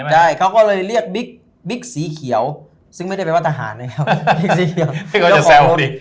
ใช่เขาก็เลยเรียกบิ๊กสีเขียวซึ่งไม่ได้เป็นว่าทหารนะเขา